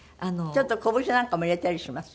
ちょっとこぶしなんかも入れたりします？